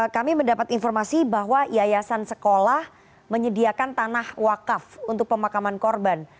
kami mendapat informasi bahwa yayasan sekolah menyediakan tanah wakaf untuk pemakaman korban